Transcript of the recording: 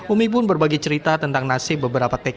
umi pun berbagi cerita tentang nasib beberapa tkw di sana